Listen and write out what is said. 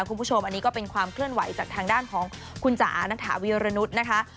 คุณผู้ชมอันนี้ก็เป็นความเคลื่อนไหวจากทางด้านของคุณจ๋าณฐาวีรนุษย์นะคะ